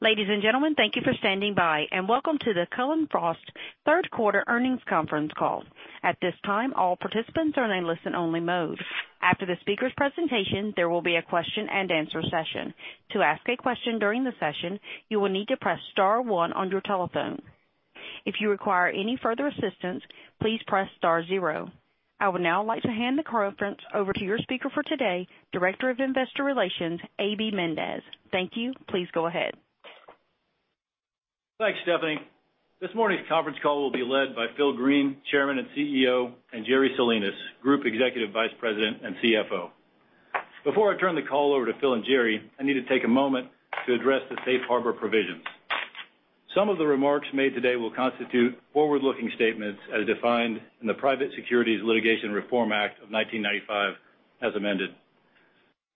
Ladies and gentlemen, thank you for standing by, and welcome to the Cullen/Frost third quarter earnings conference call. At this time, all participants are in a listen-only mode. After the speakers' presentation, there will be a question and answer session. To ask a question during the session, you will need to press star one on your telephone. If you require any further assistance, please press star zero. I would now like to hand the conference over to your speaker for today, Director of Investor Relations, A.B. Mendez. Thank you. Please go ahead. Thanks, Stephanie. This morning's conference call will be led by Phil Green, Chairman and CEO, and Jerry Salinas, Group Executive Vice President and CFO. Before I turn the call over to Phil and Jerry, I need to take a moment to address the safe harbor provisions. Some of the remarks made today will constitute forward-looking statements as defined in the Private Securities Litigation Reform Act of 1995, as amended.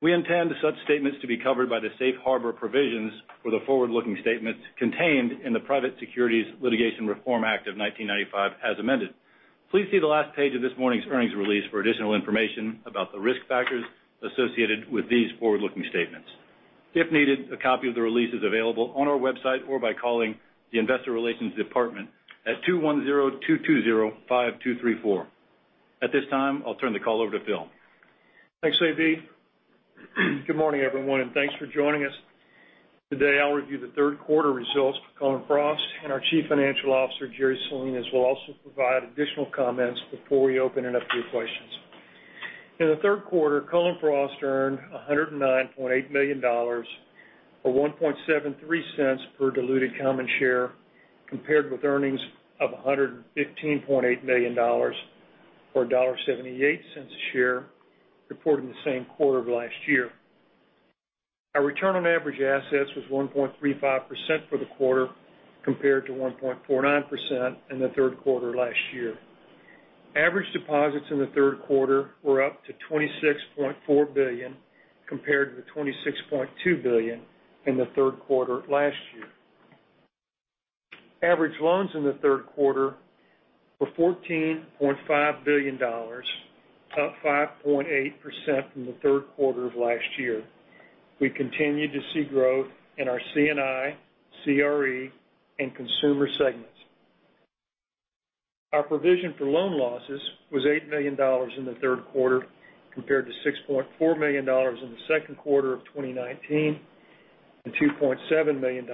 We intend such statements to be covered by the safe harbor provisions for the forward-looking statements contained in the Private Securities Litigation Reform Act of 1995, as amended. Please see the last page of this morning's earnings release for additional information about the risk factors associated with these forward-looking statements. If needed, a copy of the release is available on our website or by calling the investor relations department at 210-220-5234. At this time, I'll turn the call over to Phil. Thanks, A.B. Good morning, everyone, and thanks for joining us. Today, I'll review the third quarter results for Cullen/Frost, and our Chief Financial Officer, Jerry Salinas, will also provide additional comments before we open it up to your questions. In the third quarter, Cullen/Frost earned $109.8 million, or $1.73 Per diluted common share, compared with earnings of $115.8 million, or $1.78 a share, reported in the same quarter of last year. Our return on average assets was 1.35% for the quarter, compared to 1.49% in the third quarter last year. Average deposits in the third quarter were up to $26.4 billion, compared to the $26.2 billion in the third quarter of last year. Average loans in the third quarter were $14.5 billion, up 5.8% from the third quarter of last year. We continued to see growth in our C&I, CRE, and consumer segments. Our provision for loan losses was $8 million in the third quarter, compared to $6.4 million in the second quarter of 2019, and $2.7 million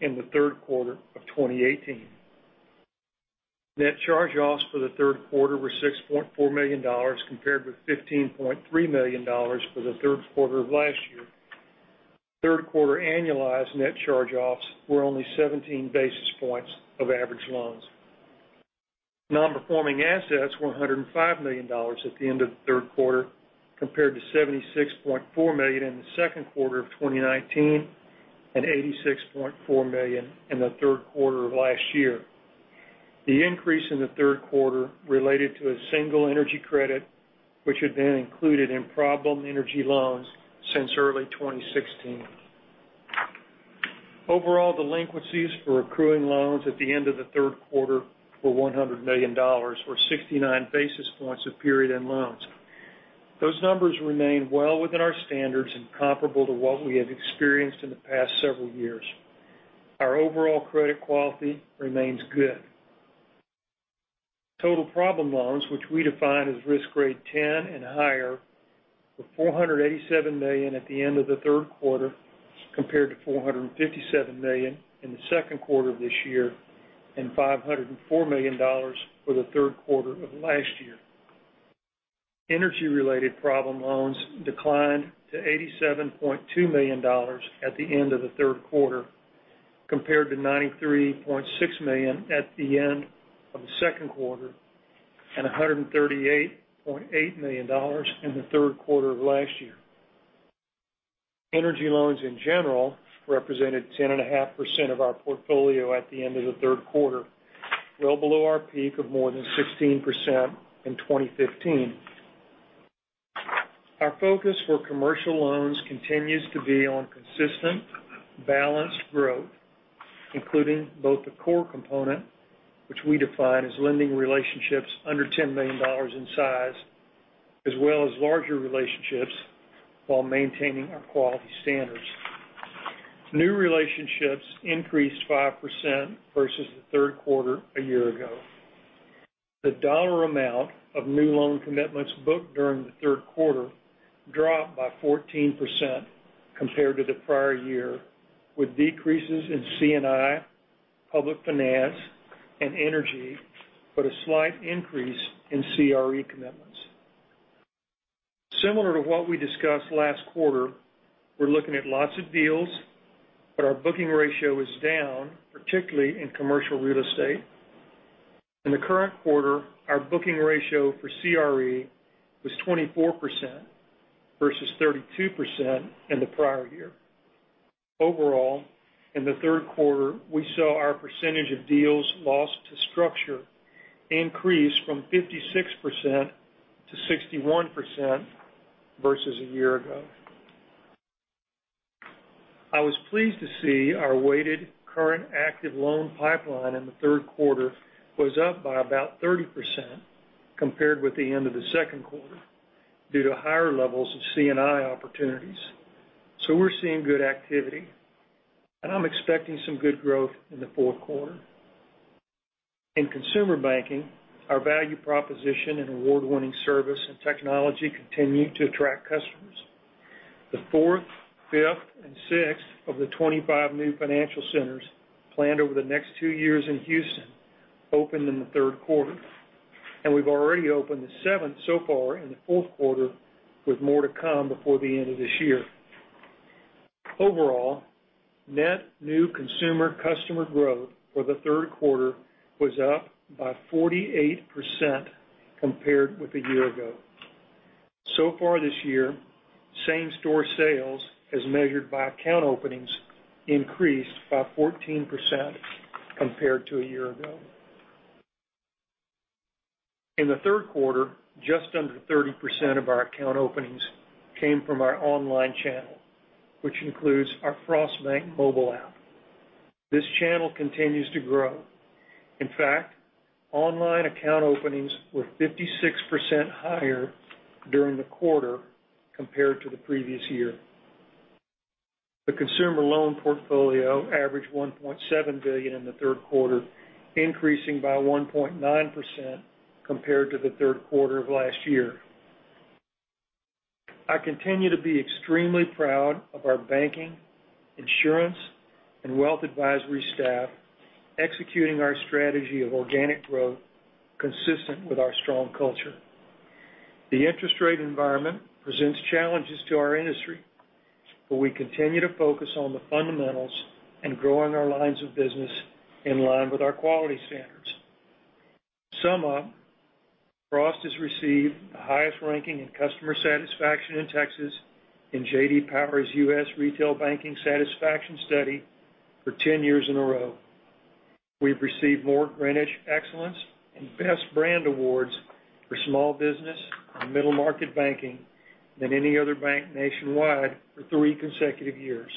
in the third quarter of 2018. Net charge-offs for the third quarter were $6.4 million, compared with $15.3 million for the third quarter of last year. Third quarter annualized net charge-offs were only 17 basis points of average loans. Non-performing assets were $105 million at the end of the third quarter, compared to $76.4 million in the second quarter of 2019, and $86.4 million in the third quarter of last year. The increase in the third quarter related to a single energy credit, which had been included in problem energy loans since early 2016. Overall delinquencies for accruing loans at the end of the third quarter were $100 million, or 69 basis points of period-end loans. Those numbers remain well within our standards and comparable to what we have experienced in the past several years. Our overall credit quality remains good. Total problem loans, which we define as risk grade 10 and higher, were $487 million at the end of the third quarter, compared to $457 million in the second quarter of this year, and $504 million for the third quarter of last year. Energy-related problem loans declined to $87.2 million at the end of the third quarter, compared to $93.6 million at the end of the second quarter, and $138.8 million in the third quarter of last year. Energy loans, in general, represented 10.5% of our portfolio at the end of the third quarter, well below our peak of more than 16% in 2015. Our focus for commercial loans continues to be on consistent, balanced growth, including both the core component, which we define as lending relationships under $10 million in size, as well as larger relationships while maintaining our quality standards. New relationships increased 5% versus the third quarter a year ago. The dollar amount of new loan commitments booked during the third quarter dropped by 14% compared to the prior year, with decreases in C&I, public finance, and energy, but a slight increase in CRE commitments. Similar to what we discussed last quarter, we're looking at lots of deals, but our booking ratio is down, particularly in commercial real estate. In the current quarter, our booking ratio for CRE was 24% versus 32% in the prior year. Overall, in the third quarter, we saw our percentage of deals lost to structure increase from 56% to 61% versus a year ago. I was pleased to see our weighted current active loan pipeline in the third quarter was up by about 30% compared with the end of the second quarter. Due to higher levels of C&I opportunities. We're seeing good activity, and I'm expecting some good growth in the fourth quarter. In consumer banking, our value proposition and award-winning service and technology continue to attract customers. The fourth, fifth, and sixth of the 25 new financial centers planned over the next two years in Houston opened in the third quarter, and we've already opened the seventh so far in the fourth quarter, with more to come before the end of this year. Overall, net new consumer customer growth for the third quarter was up by 48% compared with a year ago. Far this year, same-store sales, as measured by account openings, increased by 14% compared to a year ago. In the third quarter, just under 30% of our account openings came from our online channel, which includes our Frost Bank mobile app. This channel continues to grow. In fact, online account openings were 56% higher during the quarter compared to the previous year. The consumer loan portfolio averaged $1.7 billion in the third quarter, increasing by 1.9% compared to the third quarter of last year. I continue to be extremely proud of our banking, insurance, and wealth advisory staff executing our strategy of organic growth consistent with our strong culture. We continue to focus on the fundamentals and growing our lines of business in line with our quality standards. To sum up, Frost has received the highest ranking in customer satisfaction in Texas in J.D. Power's U.S. Retail Banking Satisfaction Study for 10 years in a row. We've received more Greenwich Excellence and Best Brand Awards for small business and middle-market banking than any other bank nationwide for three consecutive years.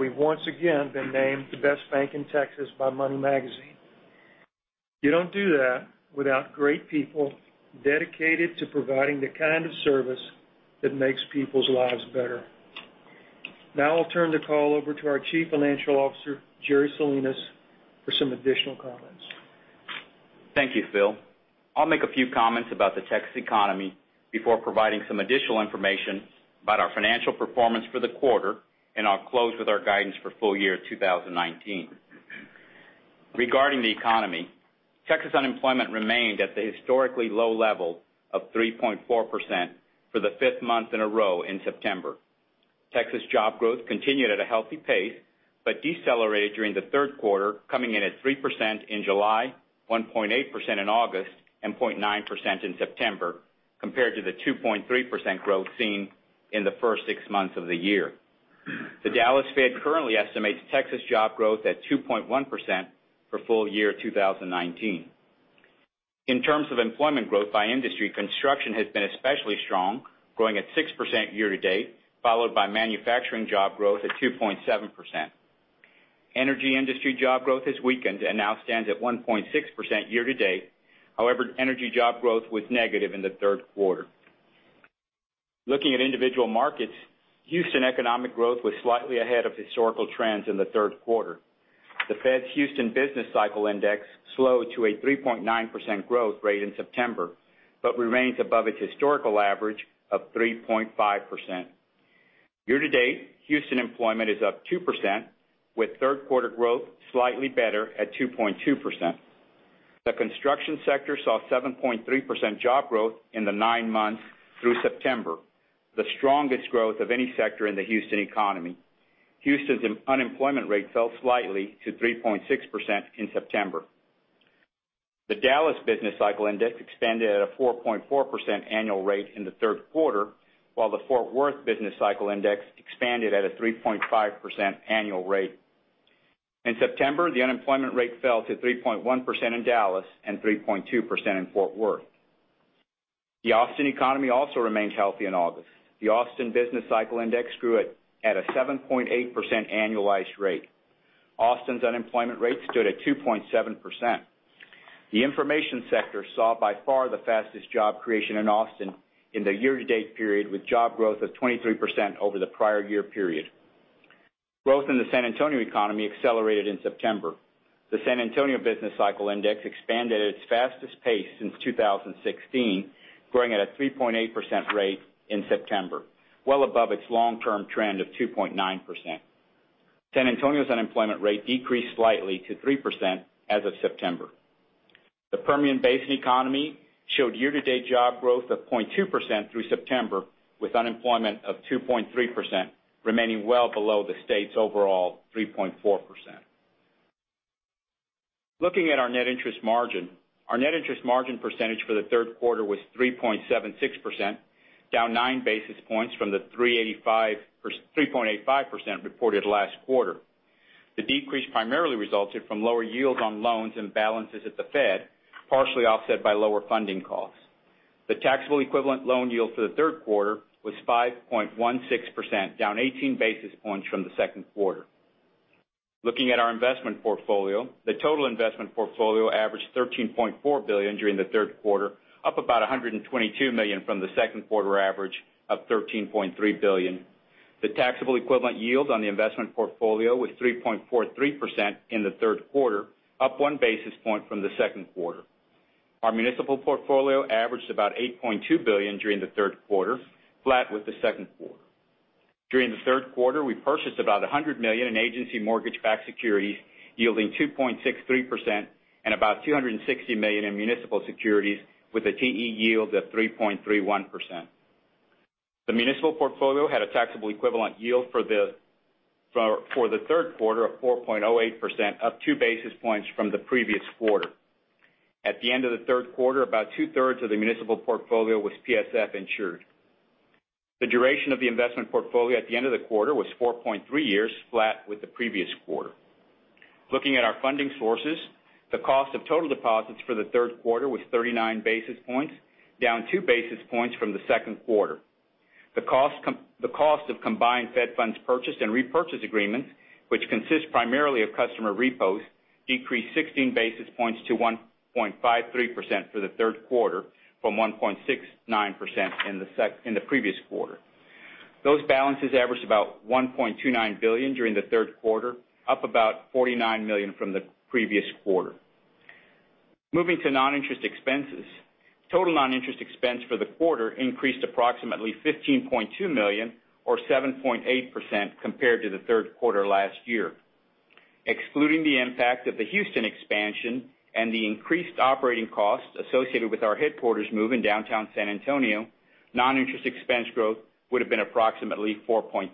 We've once again been named the best bank in Texas by Money Magazine. You don't do that without great people dedicated to providing the kind of service that makes people's lives better. Now I'll turn the call over to our Chief Financial Officer, Jerry Salinas, for some additional comments. Thank you, Phil. I'll make a few comments about the Texas economy before providing some additional information about our financial performance for the quarter, and I'll close with our guidance for full year 2019. Regarding the economy, Texas unemployment remained at the historically low level of 3.4% for the fifth month in a row in September. Texas job growth continued at a healthy pace, but decelerated during the third quarter, coming in at 3% in July, 1.8% in August, and 0.9% in September, compared to the 2.3% growth seen in the first six months of the year. The Dallas Fed currently estimates Texas job growth at 2.1% for full year 2019. In terms of employment growth by industry, construction has been especially strong, growing at 6% year-to-date, followed by manufacturing job growth at 2.7%. Energy industry job growth has weakened and now stands at 1.6% year-to-date. However, energy job growth was negative in the third quarter. Looking at individual markets, Houston economic growth was slightly ahead of historical trends in the third quarter. The Fed's Houston Business Cycle Index slowed to a 3.9% growth rate in September, but remains above its historical average of 3.5%. Year-to-date, Houston employment is up 2%, with third quarter growth slightly better at 2.2%. The construction sector saw 7.3% job growth in the nine months through September, the strongest growth of any sector in the Houston economy. Houston's unemployment rate fell slightly to 3.6% in September. The Dallas Business Cycle Index expanded at a 4.4% annual rate in the third quarter, while the Fort Worth Business Cycle Index expanded at a 3.5% annual rate. In September, the unemployment rate fell to 3.1% in Dallas and 3.2% in Fort Worth. The Austin economy also remained healthy in August. The Austin Business Cycle Index grew at a 7.8% annualized rate. Austin's unemployment rate stood at 2.7%. The information sector saw by far the fastest job creation in Austin in the year-to-date period, with job growth of 23% over the prior year period. Growth in the San Antonio economy accelerated in September. The San Antonio Business Cycle Index expanded at its fastest pace since 2016, growing at a 3.8% rate in September, well above its long-term trend of 2.9%. San Antonio's unemployment rate decreased slightly to 3% as of September. The Permian Basin economy showed year-to-date job growth of 0.2% through September, with unemployment of 2.3%, remaining well below the state's overall 3.4%. Looking at our net interest margin, our net interest margin percentage for the third quarter was 3.76%, down nine basis points from the 3.85% reported last quarter. The decrease primarily resulted from lower yields on loans and balances at the Fed, partially offset by lower funding costs. The taxable equivalent loan yield for the third quarter was 5.16%, down 18 basis points from the second quarter. Looking at our investment portfolio, the total investment portfolio averaged $13.4 billion during the third quarter, up about $122 million from the second quarter average of $13.3 billion. The taxable equivalent yield on the investment portfolio was 3.43% in the third quarter, up one basis point from the second quarter. Our municipal portfolio averaged about $8.2 billion during the third quarter, flat with the second quarter. During the third quarter, we purchased about $100 million in agency mortgage-backed securities, yielding 2.63%, and about $260 million in municipal securities with a TE yield of 3.31%. The municipal portfolio had a Tax-Equivalent Yield for the third quarter of 4.08%, up two basis points from the previous quarter. At the end of the third quarter, about two-thirds of the municipal portfolio was PSF insured. The duration of the investment portfolio at the end of the quarter was four years, flat with the previous quarter. Looking at our funding sources, the cost of total deposits for the third quarter was 39 basis points, down two basis points from the second quarter. The cost of combined Fed funds purchased and repurchase agreements, which consist primarily of customer repos, decreased 16 basis points to 1.53% for the third quarter from 1.69% in the previous quarter. Those balances averaged about $1.29 billion during the third quarter, up about $49 million from the previous quarter. Moving to non-interest expenses. Total non-interest expense for the quarter increased approximately $15.2 million or 7.8% compared to the third quarter last year. Excluding the impact of the Houston expansion and the increased operating costs associated with our headquarters move in downtown San Antonio, non-interest expense growth would have been approximately 4.3%.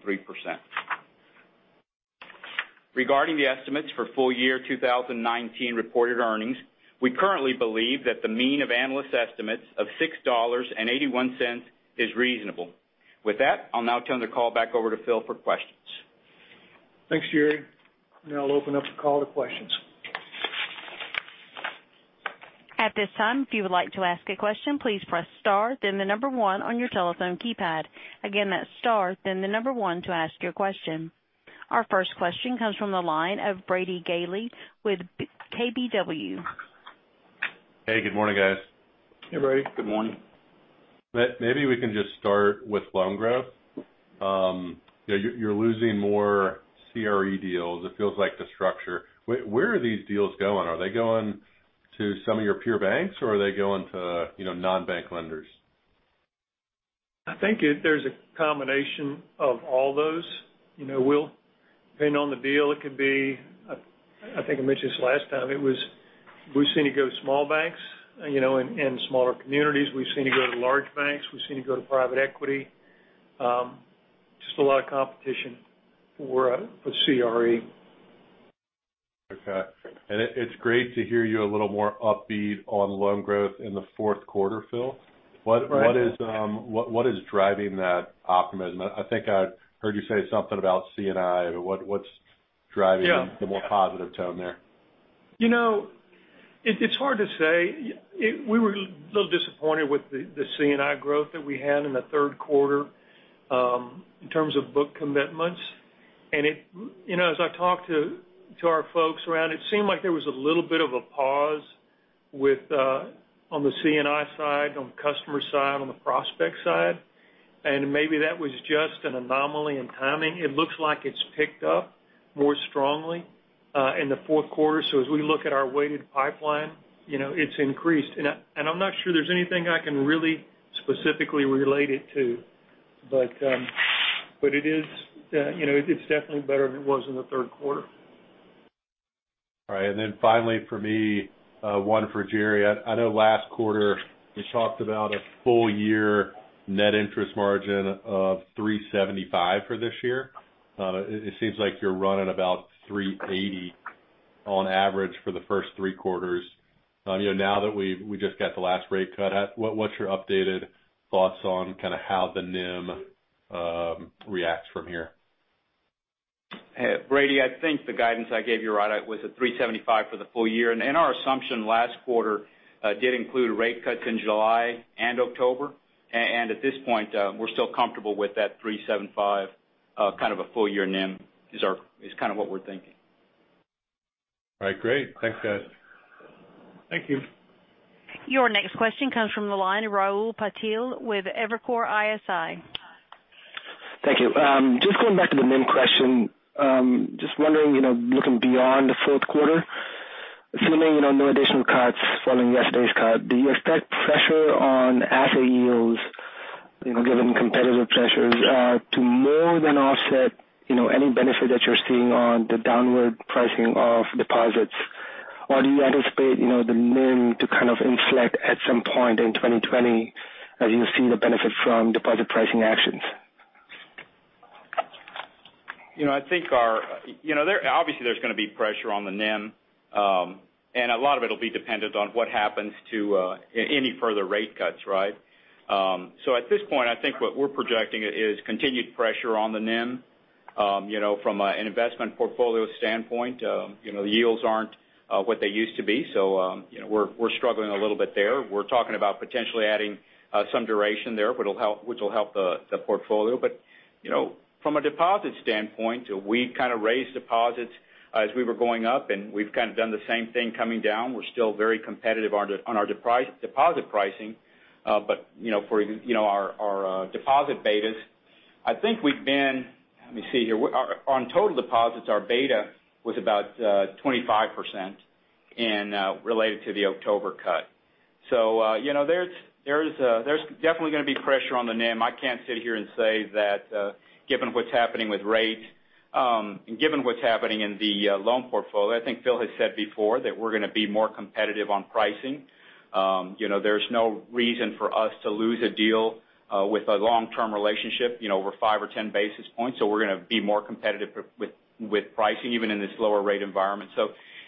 Regarding the estimates for full year 2019 reported earnings, we currently believe that the mean of analyst estimates of $6.81 is reasonable. With that, I'll now turn the call back over to Phil for questions. Thanks, Jerry. Now I'll open up the call to questions. At this time, if you would like to ask a question, please press star then the number 1 on your telephone keypad. Again, that's star then the number 1 to ask your question. Our first question comes from the line of Brady Gailey with KBW. Hey, good morning, guys. Hey, Brady. Good morning. Maybe we can just start with loan growth. You're losing more CRE deals, it feels like the structure. Where are these deals going? Are they going to some of your peer banks or are they going to non-bank lenders? I think there's a combination of all those. Depending on the deal, I think I mentioned this last time. We've seen it go to small banks in smaller communities. We've seen it go to large banks. We've seen it go to private equity. A lot of competition for CRE. Okay. It's great to hear you a little more upbeat on loan growth in the fourth quarter, Phil. Right. What is driving that optimism? I think I heard you say something about C&I. Yeah the more positive tone there? It's hard to say. We were a little disappointed with the C&I growth that we had in the third quarter in terms of book commitments. As I talked to our folks around, it seemed like there was a little bit of a pause on the C&I side, on the customer side, on the prospect side, and maybe that was just an anomaly in timing. It looks like it's picked up more strongly in the fourth quarter. As we look at our weighted pipeline, it's increased. I'm not sure there's anything I can really specifically relate it to. It's definitely better than it was in the third quarter. All right. Finally for me, one for Jerry. I know last quarter you talked about a full year net interest margin of 375 for this year. It seems like you're running about 380 on average for the first three quarters. Now that we just got the last rate cut, what's your updated thoughts on kind of how the NIM reacts from here? Brady, I think the guidance I gave you right out was at 375 for the full year. Our assumption last quarter did include rate cuts in July and October. At this point, we're still comfortable with that 375, kind of a full year NIM is kind of what we're thinking. All right, great. Thanks, guys. Thank you. Your next question comes from the line of Rahul Patil with Evercore ISI. Thank you. Just going back to the NIM question. Just wondering, looking beyond the fourth quarter, assuming no additional cuts following yesterday's cut, do you expect pressure on asset yields, given competitive pressures, to more than offset any benefit that you're seeing on the downward pricing of deposits? Or do you anticipate the NIM to kind of inflect at some point in 2020 as you see the benefit from deposit pricing actions? Obviously, there's going to be pressure on the NIM, and a lot of it will be dependent on what happens to any further rate cuts, right? At this point, I think what we're projecting is continued pressure on the NIM. From an investment portfolio standpoint, the yields aren't what they used to be. We're struggling a little bit there. We're talking about potentially adding some duration there which will help the portfolio. From a deposit standpoint, we kind of raised deposits as we were going up, and we've kind of done the same thing coming down. We're still very competitive on our deposit pricing. For our deposit betas, I think we've been let me see here. On total deposits, our beta was about 25% related to the October cut. There's definitely going to be pressure on the NIM. I can't sit here and say that given what's happening with rates, and given what's happening in the loan portfolio, I think Phil has said before that we're going to be more competitive on pricing. There's no reason for us to lose a deal with a long-term relationship over five or 10 basis points. We're going to be more competitive with pricing even in this lower rate environment.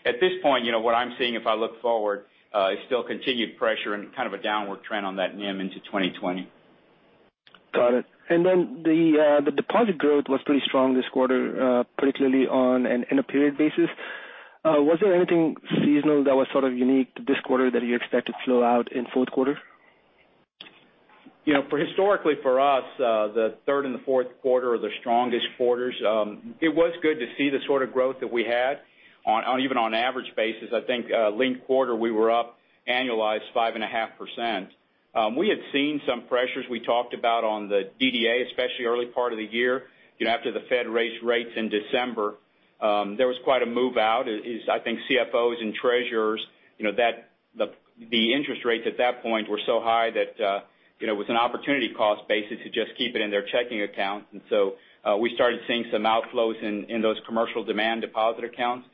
At this point, what I'm seeing if I look forward is still continued pressure and kind of a downward trend on that NIM into 2020. Got it. The deposit growth was pretty strong this quarter, particularly on an in-period basis. Was there anything seasonal that was sort of unique to this quarter that you expect to flow out in fourth quarter? Historically for us, the third and the fourth quarter are the strongest quarters. It was good to see the sort of growth that we had even on average basis. I think linked quarter, we were up annualized 5.5%. We had seen some pressures we talked about on the DDA, especially early part of the year. After the Fed raised rates in December, there was quite a move out as I think CFOs and treasurers, the interest rates at that point were so high that it was an opportunity cost basis to just keep it in their checking account. We started seeing some outflows in those commercial demand deposit accounts.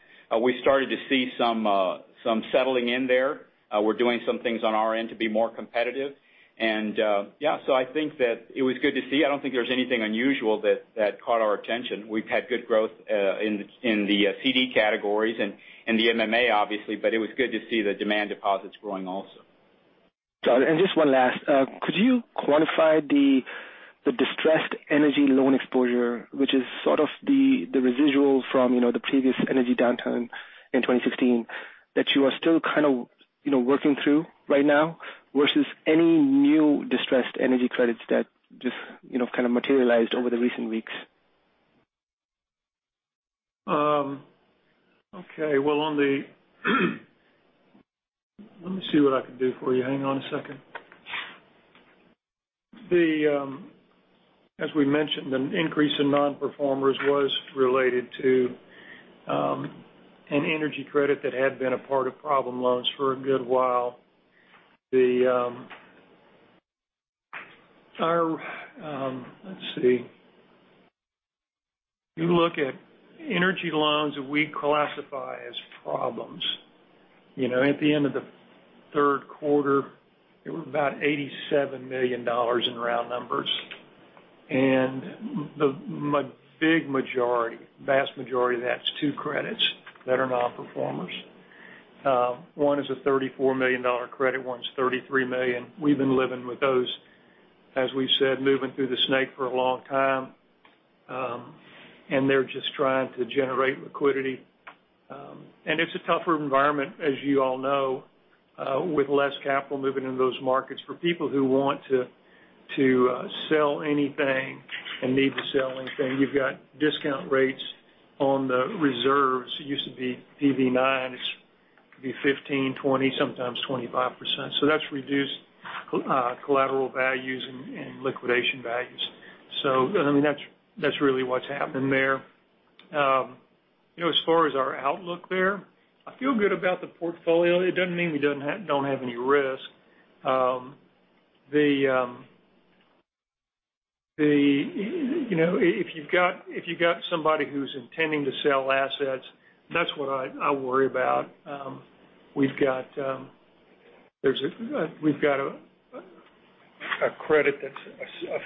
We started to see some settling in there. We're doing some things on our end to be more competitive. I think that it was good to see. I don't think there's anything unusual that caught our attention. We've had good growth in the CD categories and the MMA obviously, but it was good to see the demand deposits growing also. Got it. Just one last, could you quantify the distressed energy loan exposure, which is sort of the residual from the previous energy downturn in 2016 that you are still kind of working through right now versus any new distressed energy credits that just kind of materialized over the recent weeks? Well, let me see what I can do for you. Hang on a second. As we mentioned, an increase in non-performers was related to an energy credit that had been a part of problem loans for a good while. Let's see. You look at energy loans that we classify as problems. At the end of the third quarter, they were about $87 million in round numbers, and the big majority, vast majority of that's two credits that are non-performers. One is a $34 million credit, one's $33 million. We've been living with those, as we've said, moving through the Snake for a long time. They're just trying to generate liquidity. It's a tougher environment, as you all know, with less capital moving into those markets for people who want to sell anything and need to sell anything. You've got discount rates on the reserves. It used to be PV9, it could be 15%, 20%, sometimes 25%. That's reduced collateral values and liquidation values. That's really what's happened there. As far as our outlook there, I feel good about the portfolio. It doesn't mean we don't have any risk. If you've got somebody who's intending to sell assets, that's what I worry about. We've got a credit that's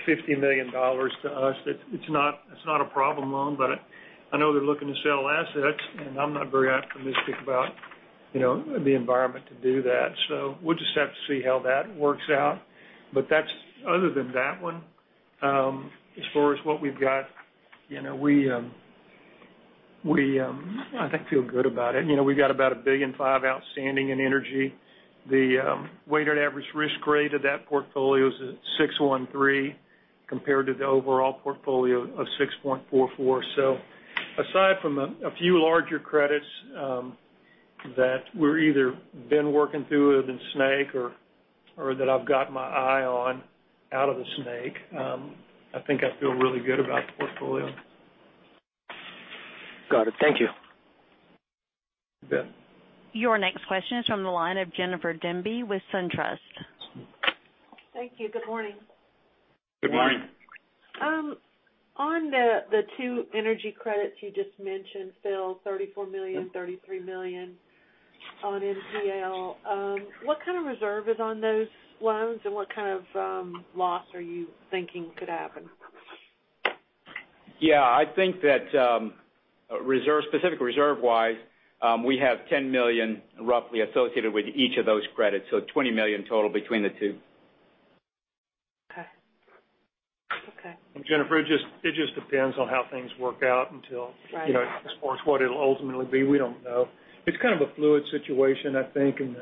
$50 million to us. It's not a problem loan, but I know they're looking to sell assets, and I'm not very optimistic about the environment to do that. We'll just have to see how that works out. Other than that one, as far as what we've got, I think feel good about it. We got about $1.5 billion outstanding in energy. The weighted average risk grade of that portfolio is at 6.3 compared to the overall portfolio of 6.44. Aside from a few larger credits that we've either been working through in Snake or that I've got my eye on out of the Snake, I think I feel really good about the portfolio. Got it. Thank you. You bet. Your next question is from the line of Jennifer Demba with SunTrust. Thank you. Good morning. Good morning. On the two energy credits you just mentioned, Phil, $34 million, $33 million on NPL. What kind of reserve is on those loans, and what kind of loss are you thinking could happen? Yeah, I think that specific reserve-wise, we have $10 million roughly associated with each of those credits, so $20 million total between the two. Okay. Jennifer, it just depends on how things work out until. Right As far as what it'll ultimately be, we don't know. It's kind of a fluid situation, I think, in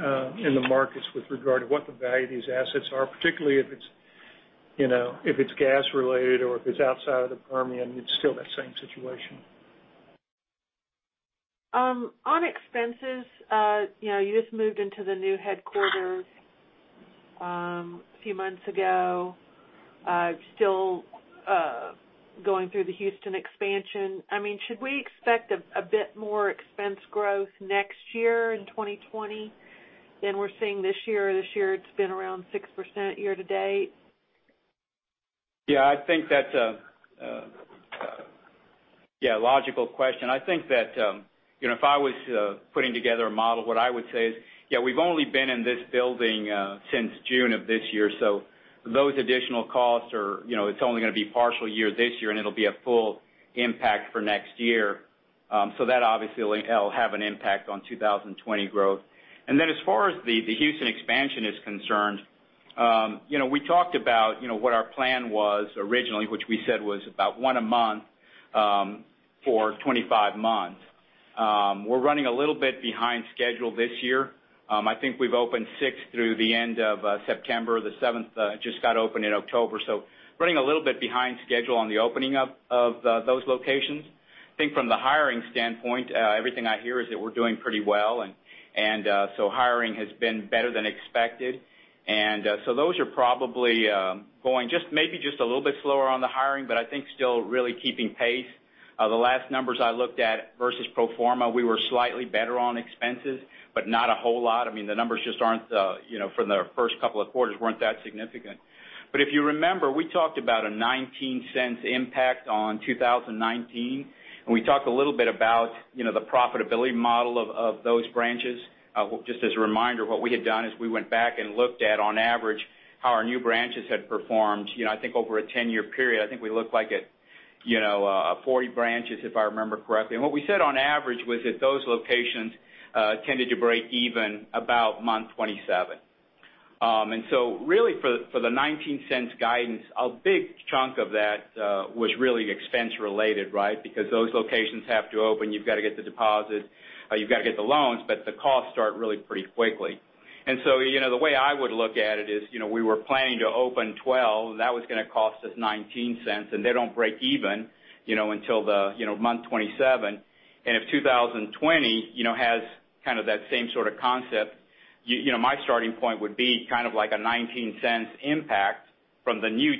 the markets with regard to what the value of these assets are, particularly if it's gas related or if it's outside of the Permian, it's still that same situation. On expenses, you just moved into the new headquarters a few months ago, still going through the Houston expansion. Should we expect a bit more expense growth next year in 2020 than we're seeing this year? This year it's been around 6% year to date. Yeah, I think that's a logical question. I think that if I was putting together a model, what I would say is, we've only been in this building since June of this year, those additional costs are only going to be partial year this year, and it'll be a full impact for next year. That obviously will have an impact on 2020 growth. As far as the Houston expansion is concerned, we talked about what our plan was originally, which we said was about one a month for 25 months. We're running a little bit behind schedule this year. I think we've opened six through the end of September. The seventh just got open in October, running a little bit behind schedule on the opening up of those locations. I think from the hiring standpoint, everything I hear is that we're doing pretty well, hiring has been better than expected. Those are probably going maybe just a little bit slower on the hiring, but I think still really keeping pace. The last numbers I looked at versus pro forma, we were slightly better on expenses, but not a whole lot. The numbers for the first couple of quarters weren't that significant. If you remember, we talked about a $0.19 impact on 2019, and we talked a little bit about the profitability model of those branches. Just as a reminder, what we had done is we went back and looked at, on average, how our new branches had performed over a 10-year period. I think we looked like at 40 branches, if I remember correctly. What we said on average was that those locations tended to break even about month 27. Really for the $0.19 guidance, a big chunk of that was really expense related, because those locations have to open. You've got to get the deposit, you've got to get the loans, but the costs start really pretty quickly. The way I would look at it is, we were planning to open 12. That was going to cost us $0.19. They don't break even until month 27. If 2020 has kind of that same sort of concept, my starting point would be kind of like a $0.19 impact from the new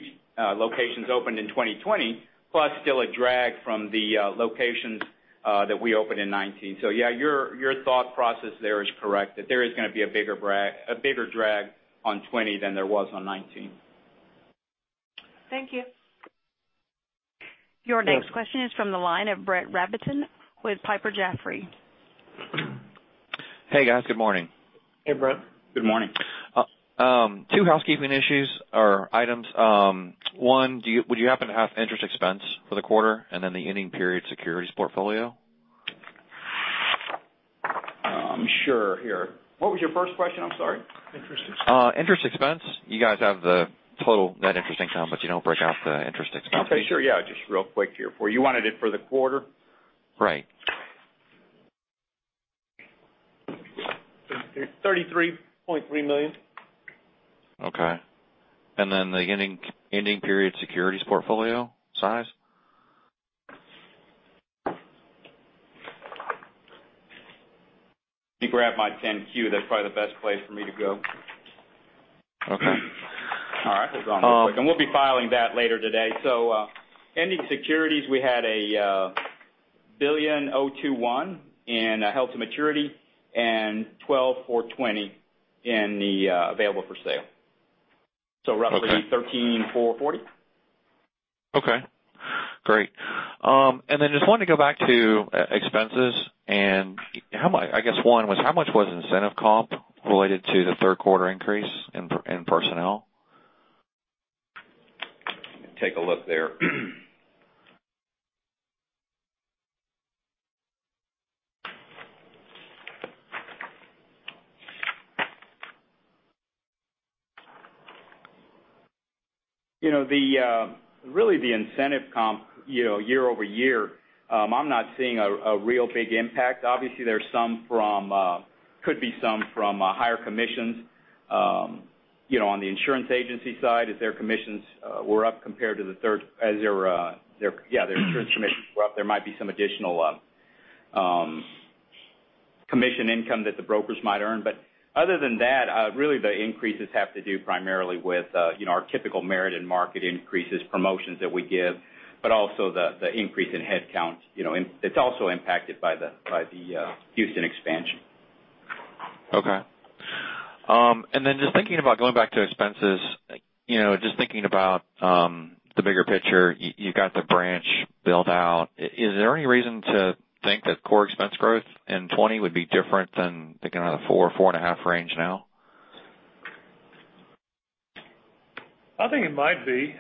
locations opened in 2020, plus still a drag from the locations that we opened in 2019. Yeah, your thought process there is correct. That there is going to be a bigger drag on 2020 than there was on 2019. Thank you. Your next question is from the line of Brett Rabatin with Piper Jaffray. Hey, guys. Good morning. Hey, Brett. Good morning. Two housekeeping issues or items. One, would you happen to have interest expense for the quarter and then the ending period securities portfolio? I'm sure here. What was your first question? I'm sorry. Interest expense. Interest expense. You guys have the total net interest income, but you don't break out the interest expense. Sure. Yeah. Just real quick here for you. You wanted it for the quarter? Right. $33.3 million. Okay. The ending period securities portfolio size? Let me grab my 10-Q. That's probably the best place for me to go. Okay. All right. Hold on really quick. We'll be filing that later today. Ending securities, we had $1.21 billion in held to maturity and $12,420 million in the available for sale. Roughly $13,440 million. Okay, great. Just wanted to go back to expenses and I guess one was, how much was incentive comp related to the third quarter increase in personnel? Take a look there. Really the incentive comp year-over-year, I'm not seeing a real big impact. Obviously, could be some from higher commissions on the insurance agency side as their commissions were up compared to the third. Yeah, their insurance commissions were up. There might be some additional commission income that the brokers might earn. Other than that, really the increases have to do primarily with our typical merit and market increases, promotions that we give, but also the increase in headcount. It's also impacted by the Houston expansion. Okay. Just thinking about going back to expenses, just thinking about the bigger picture, you got the branch built out. Is there any reason to think that core expense growth in 2020 would be different than thinking about a 4%-4.5% range now? I think it might be,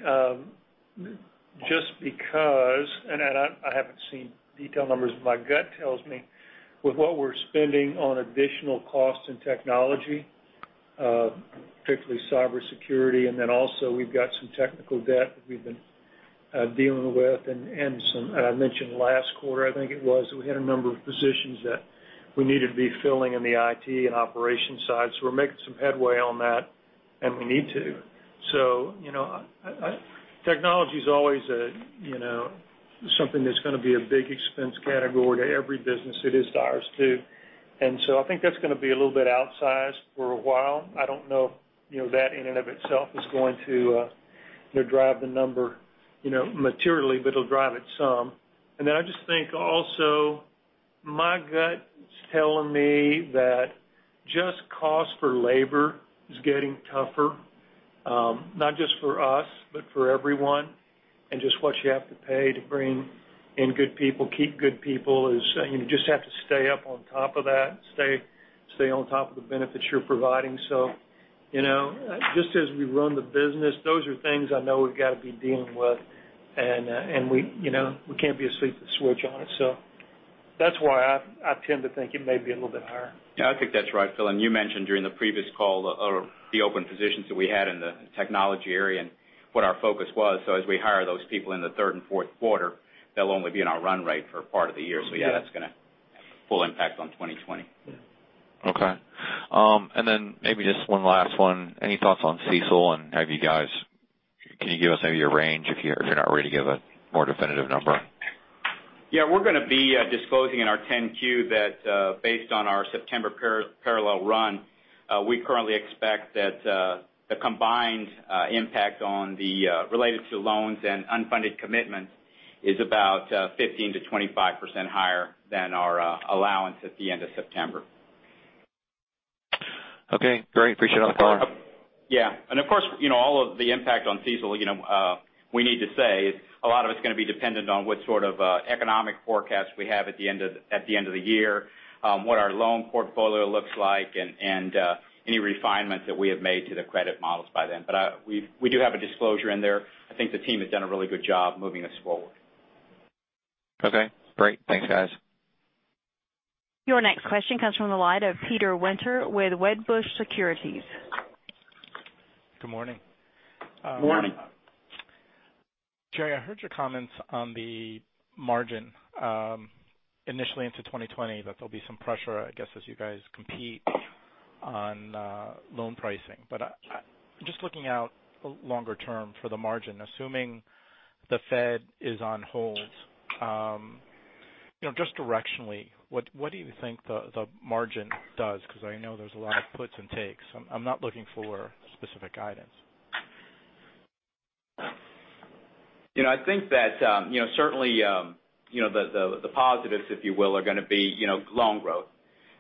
just because, and I haven't seen detailed numbers, but my gut tells me with what we're spending on additional costs and technology, particularly cybersecurity, and then also we've got some technical debt that we've been dealing with and I mentioned last quarter, I think it was, that we had a number of positions that we needed to be filling in the IT and operation side. We're making some headway on that, and we need to. Technology's always something that's going to be a big expense category to every business. It is ours, too. I think that's going to be a little bit outsized for a while. I don't know if that in and of itself is going to drive the number materially, but it will drive it some. I just think also my gut's telling me that just cost for labor is getting tougher, not just for us, but for everyone. Just what you have to pay to bring in good people, keep good people is, you just have to stay up on top of that, stay on top of the benefits you're providing. Just as we run the business, those are things I know we've got to be dealing with. We can't be asleep at the switch on it. That's why I tend to think it may be a little bit higher. Yeah, I think that's right, Phil. You mentioned during the previous call the open positions that we had in the technology area and what our focus was. As we hire those people in the third and fourth quarter, they'll only be in our run rate for part of the year. Yeah. Yeah, that's going to full impact on 2020. Yeah. Okay. Then maybe just one last one. Any thoughts on CECL and can you give us maybe a range if you're not ready to give a more definitive number? Yeah. We're going to be disclosing in our 10-Q that based on our September parallel run, we currently expect that the combined impact on the related to loans and unfunded commitments is about 15%-25% higher than our allowance at the end of September. Okay, great. Appreciate the call. Yeah. Of course, all of the impact on CECL, we need to say a lot of it's going to be dependent on what sort of economic forecast we have at the end of the year, what our loan portfolio looks like, and any refinements that we have made to the credit models by then. We do have a disclosure in there. I think the team has done a really good job moving us forward. Okay, great. Thanks, guys. Your next question comes from the line of Peter Winter with Wedbush Securities. Good morning. Morning. Jerry, I heard your comments on the margin initially into 2020 that there'll be some pressure, I guess, as you guys compete on loan pricing. Just looking out longer term for the margin, assuming the Fed is on hold, just directionally, what do you think the margin does? I know there's a lot of puts and takes. I'm not looking for specific guidance. I think that certainly the positives, if you will, are going to be loan growth.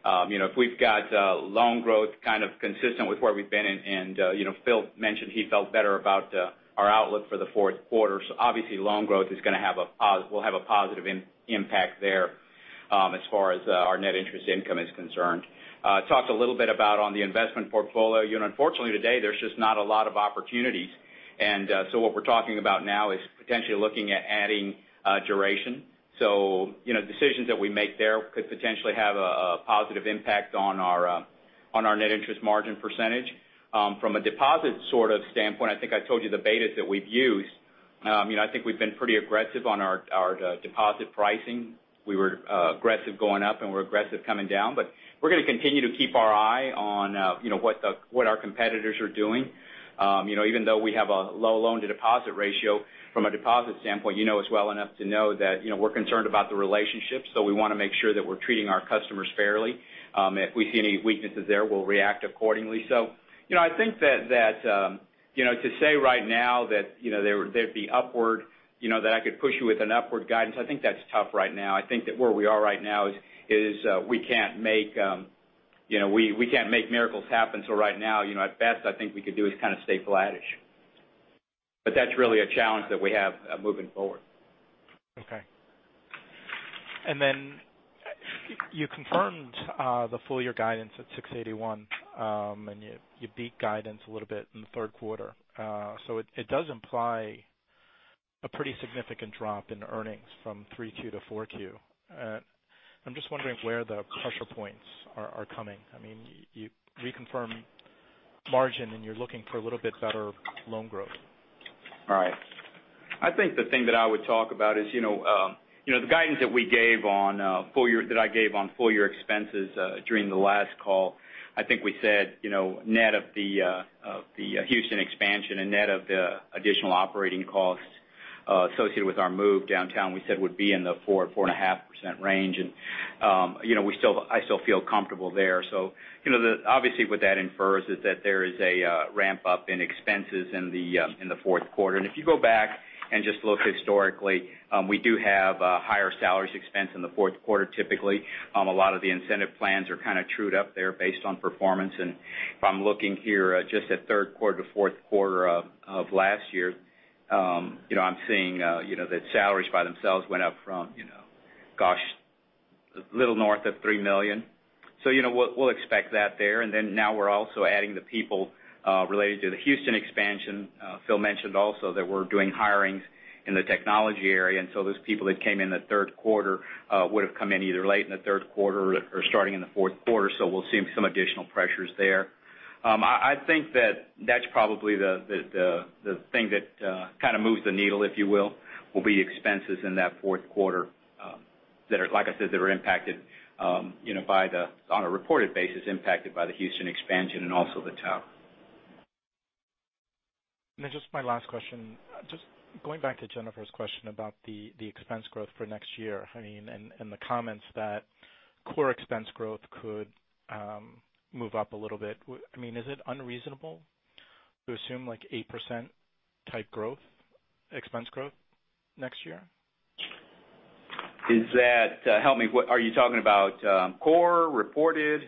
If we've got loan growth kind of consistent with where we've been, and Phil mentioned he felt better about our outlook for the fourth quarter. Obviously loan growth will have a positive impact there as far as our net interest income is concerned. Talked a little bit about on the investment portfolio. Unfortunately today there's just not a lot of opportunities, what we're talking about now is potentially looking at adding duration. Decisions that we make there could potentially have a positive impact on our net interest margin percentage. From a deposit sort of standpoint, I think I told you the betas that we've used. I think we've been pretty aggressive on our deposit pricing. We were aggressive going up, and we're aggressive coming down. We're going to continue to keep our eye on what our competitors are doing. Even though we have a low loan to deposit ratio from a deposit standpoint, you know us well enough to know that we're concerned about the relationships, so we want to make sure that we're treating our customers fairly. If we see any weaknesses there, we'll react accordingly. I think that to say right now that there'd be upward, that I could push you with an upward guidance, I think that's tough right now. I think that where we are right now is we can't make miracles happen. Right now, at best I think we could do is kind of stay flattish. That's really a challenge that we have moving forward. Okay. Then you confirmed the full year guidance at $681, you beat guidance a little bit in the third quarter. It does imply a pretty significant drop in earnings from 3Q to 4Q. I'm just wondering where the pressure points are coming. You reconfirm margin, you're looking for a little bit better loan growth. Right. I think the thing that I would talk about is the guidance that I gave on full year expenses during the last call. I think we said net of the Houston expansion and net of the additional operating costs associated with our move downtown, we said would be in the 4.5% range, and I still feel comfortable there. Obviously what that infers is that there is a ramp-up in expenses in the fourth quarter. If you go back and just look historically, we do have higher salaries expense in the fourth quarter typically. A lot of the incentive plans are kind of trued up there based on performance. If I'm looking here just at third quarter to fourth quarter of last year, I'm seeing that salaries by themselves went up from, gosh, a little north of $3 million. We'll expect that there, and then now we're also adding the people related to the Houston expansion. Phil mentioned also that we're doing hirings in the technology area, those people that came in the third quarter would've come in either late in the third quarter or starting in the fourth quarter, so we'll see some additional pressures there. I think that that's probably the thing that kind of moves the needle, if you will be expenses in that fourth quarter that are, like I said, that are on a reported basis, impacted by the Houston expansion and also the Tower. Just my last question, just going back to Jennifer's question about the expense growth for next year, and the comments that core expense growth could move up a little bit. Is it unreasonable to assume like 8% type expense growth next year? Help me. Are you talking about core, reported?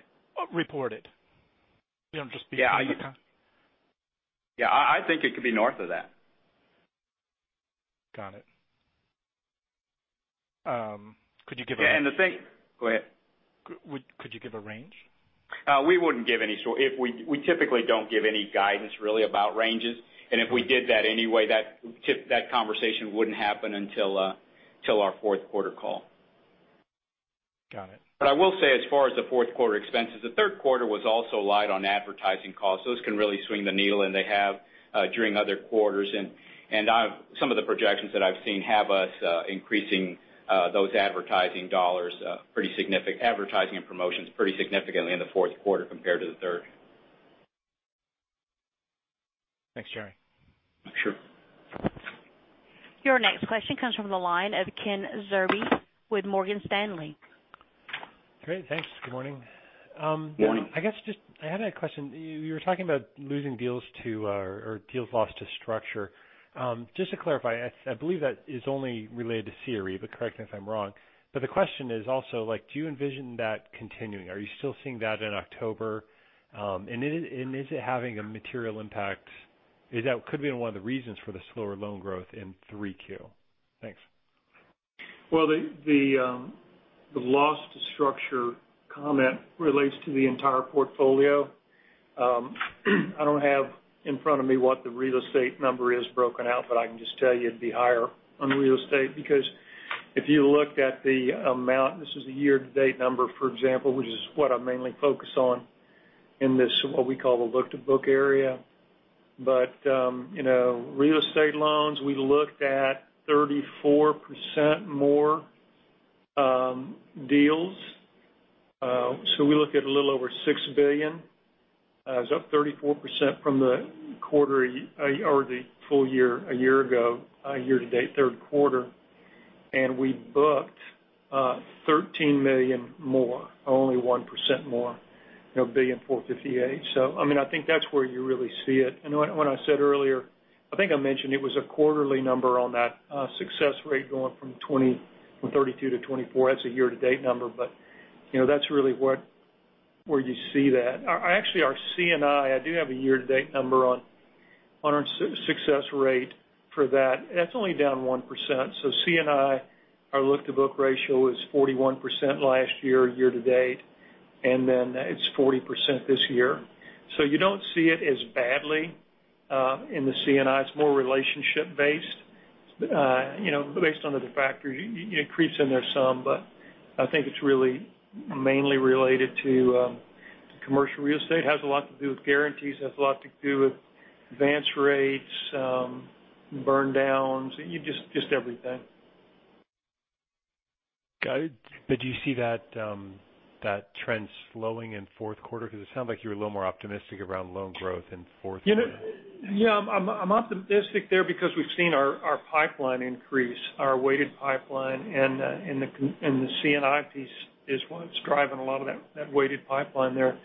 Reported. Yeah. I think it could be north of that. Got it. Could you give. Yeah, go ahead. Could you give a range? We wouldn't give any. We typically don't give any guidance, really, about ranges. If we did that anyway, that conversation wouldn't happen until our fourth quarter call. Got it. I will say as far as the fourth quarter expenses, the third quarter was also light on advertising costs. Those can really swing the needle, and they have during other quarters. Some of the projections that I've seen have us increasing those advertising dollars, advertising and promotions pretty significantly in the fourth quarter compared to the third. Thanks, Jerry. Sure. Your next question comes from the line of Kenneth Zerbe with Morgan Stanley. Great. Thanks. Good morning. Good morning. I guess just I had a question. You were talking about losing deals to or deals lost to structure. Just to clarify, I believe that is only related to CRE, but correct me if I'm wrong, but the question is also, do you envision that continuing? Are you still seeing that in October? Is it having a material impact? Is that could be one of the reasons for the slower loan growth in 3Q? Thanks. Well, the loss to structure comment relates to the entire portfolio. I don't have in front of me what the real estate number is broken out, but I can just tell you it'd be higher on real estate because if you looked at the amount, this is a year-to-date number, for example, which is what I mainly focus on in this what we call the look-to-book area. Real estate loans, we looked at 34% more deals. We look at a little over $6 billion. It was up 34% from the quarter or the full year a year ago, year-to-date, third quarter. We booked $13 million more, only 1% more, billion $458. I think that's where you really see it. What I said earlier, I think I mentioned it was a quarterly number on that success rate going from 32 to 24. That's a year-to-date number, but that's really where you see that. Actually, our C&I do have a year-to-date number on our success rate for that. That's only down 1%. C&I, our look-to-book ratio was 41% last year-to-date, and then it's 40% this year. You don't see it as badly in the C&I. It's more relationship based. Based on the factor, you increase in there some, but I think it's really mainly related to commercial real estate, has a lot to do with guarantees, has a lot to do with advance rates, burn downs, just everything. Got it. Do you see that trend slowing in fourth quarter? It sounds like you're a little more optimistic around loan growth in fourth. Yeah, I'm optimistic there because we've seen our pipeline increase, our weighted pipeline, and the C&I piece is what's driving a lot of that weighted pipeline there.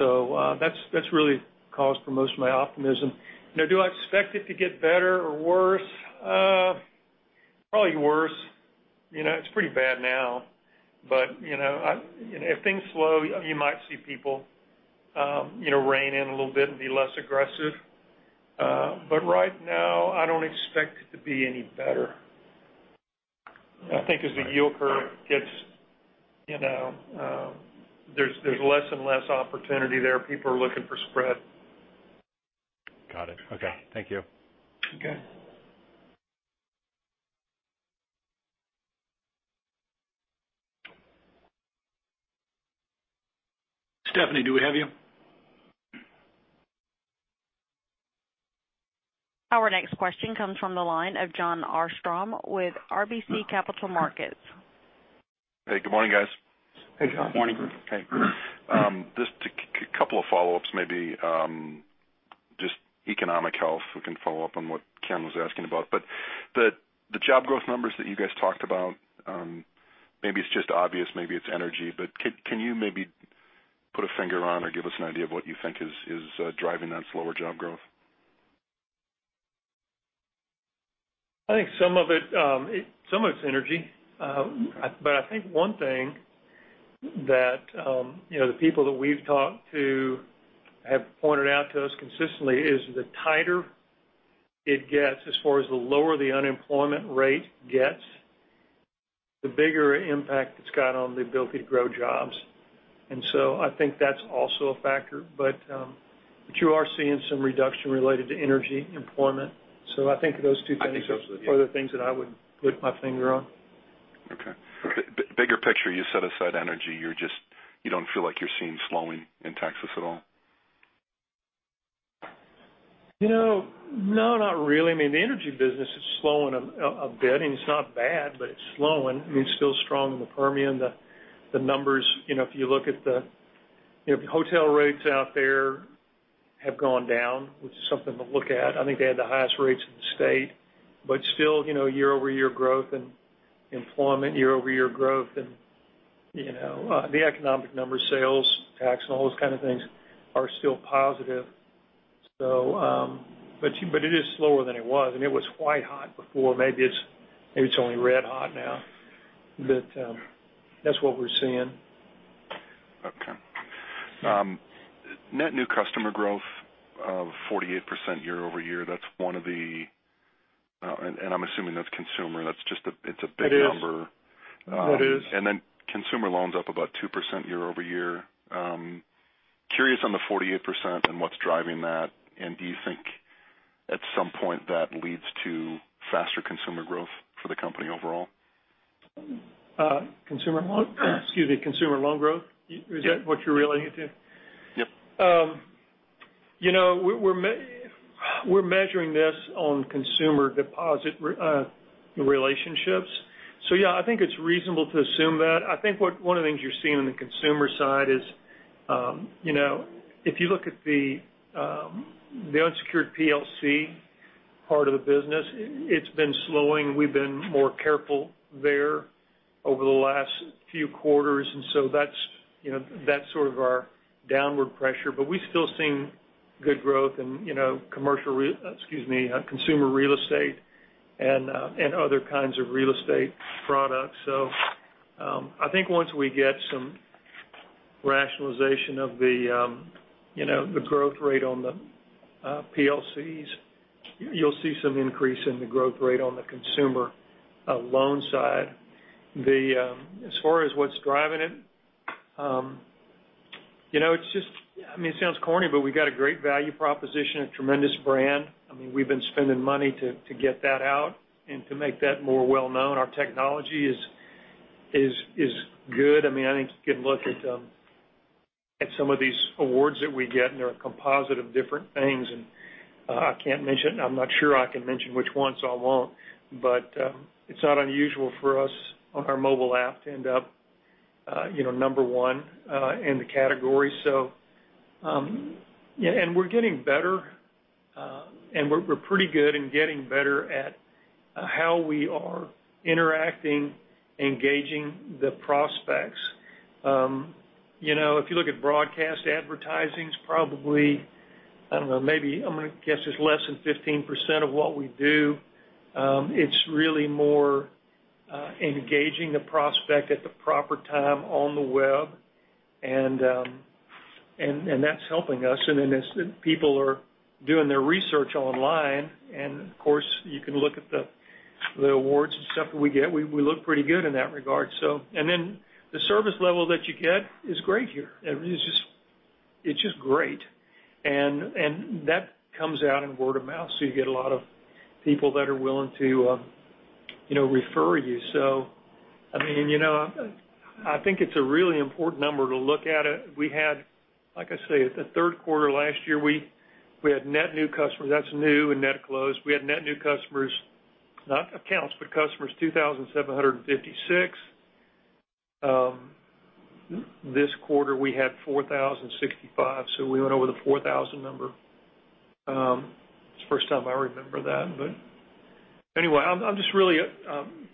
That's really cause for most of my optimism. Do I expect it to get better or worse? Probably worse. It's pretty bad now, but if things slow, you might see people rein in a little bit and be less aggressive. Right now, I don't expect it to be any better. I think as the yield curve gets, there's less and less opportunity there. People are looking for spread. Got it. Okay. Thank you. Okay. Stephanie, do we have you? Our next question comes from the line of Jon Arfstrom with RBC Capital Markets. Hey, good morning, guys. Hey, Jon. Morning. Hey. Just a couple of follow-ups, maybe, just economic health. We can follow up on what Ken was asking about. The job growth numbers that you guys talked about, maybe it's just obvious, maybe it's energy, but can you maybe put a finger on or give us an idea of what you think is driving that slower job growth? I think some of it's energy. I think one thing that the people that we've talked to have pointed out to us consistently is the tighter it gets as far as the lower the unemployment rate gets, the bigger impact it's got on the ability to grow jobs. I think that's also a factor. You are seeing some reduction related to energy employment. I think those are the- are the things that I would put my finger on. Bigger picture, you set aside energy, you don't feel like you're seeing slowing in Texas at all? No, not really. The energy business is slowing a bit, and it's not bad, but it's slowing. It's still strong in the Permian. The numbers, if you look at the hotel rates out there have gone down, which is something to look at. I think they had the highest rates in the state, but still, year-over-year growth and employment, year-over-year growth and the economic numbers, sales tax, and all those kind of things are still positive. It is slower than it was, and it was quite hot before. Maybe it's only red hot now, but that's what we're seeing. Okay. Net new customer growth of 48% year-over-year. I'm assuming that's consumer. It is. it's a big number. It is. Then consumer loans up about 2% year-over-year. Curious on the 48% and what's driving that, and do you think at some point that leads to faster consumer growth for the company overall? Consumer loan growth? Yep. Is that what you're relating it to? Yep. We're measuring this on consumer deposit relationships. Yeah, I think it's reasonable to assume that. I think one of the things you're seeing on the consumer side is, if you look at the unsecured PLC part of the business, it's been slowing. We've been more careful there over the last few quarters. That's our downward pressure, but we're still seeing good growth in consumer real estate and other kinds of real estate products. I think once we get some rationalization of the growth rate on the PLCs, you'll see some increase in the growth rate on the consumer loan side. As far as what's driving it sounds corny, but we've got a great value proposition, a tremendous brand. We've been spending money to get that out and to make that more well-known. Our technology is good. I think you can look at some of these awards that we get, and they're a composite of different things, and I'm not sure I can mention which ones, so I won't. It's not unusual for us on our mobile app to end up number one in the category. We're getting better, and we're pretty good and getting better at how we are interacting, engaging the prospects. If you look at broadcast advertising, it's probably, I don't know, maybe I'm going to guess it's less than 15% of what we do. It's really more engaging the prospect at the proper time on the web, and that's helping us. As people are doing their research online, and of course you can look at the awards and stuff that we get, we look pretty good in that regard. The service level that you get is great here. It's just great. That comes out in word of mouth, so you get a lot of people that are willing to refer you. I think it's a really important number to look at it. Like I say, the third quarter last year, we had net new customers. That's new and net closed. We had net new customers, not accounts, but customers, 2,756. This quarter, we had 4,065, so we went over the 4,000 number. It's the first time I remember that. Anyway, I just really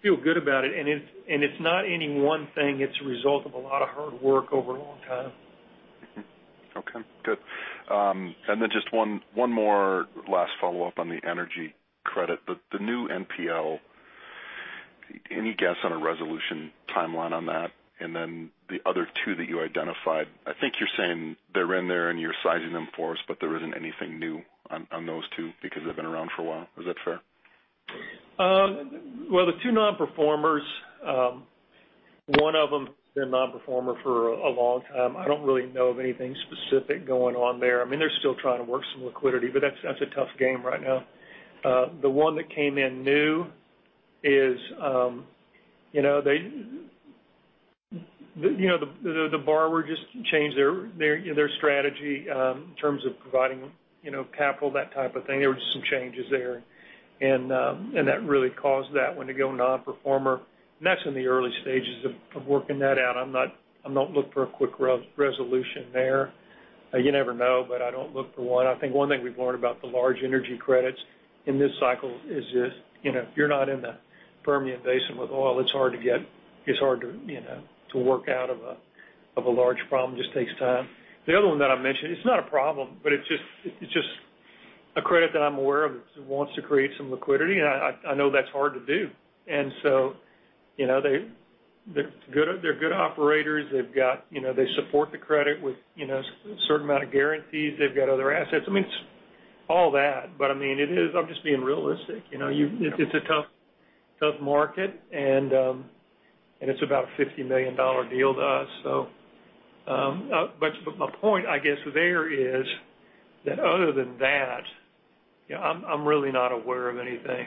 feel good about it. It's not any one thing. It's a result of a lot of hard work over a long time. Okay, good. Just one more last follow-up on the energy credit. The new NPL, any guess on a resolution timeline on that? The other two that you identified, I think you're saying they're in there and you're sizing them for us, there isn't anything new on those two because they've been around for a while. Is that fair? Well, the two non-performers, one of them has been a non-performer for a long time. I don't really know of anything specific going on there. They're still trying to work some liquidity, but that's a tough game right now. The one that came in new is the borrower just changed their strategy in terms of providing capital, that type of thing. There were just some changes there, and that really caused that one to go non-performer, and that's in the early stages of working that out. I'm not looking for a quick resolution there. You never know, but I don't look for one. I think one thing we've learned about the large energy credits in this cycle is if you're not in the Permian Basin with oil, it's hard to work out of a large problem. Just takes time. The other one that I mentioned, it's not a problem, but it's just a credit that I'm aware of that wants to create some liquidity, and I know that's hard to do. They're good operators. They support the credit with a certain amount of guarantees. They've got other assets. It's all that, but I'm just being realistic. It's a tough market, and it's about a $50 million deal to us. My point, I guess there is that other than that, I'm really not aware of anything